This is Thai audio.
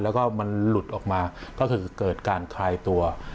แล้วก็มันหลุดออกมาก็คือเกิดการคลายตัว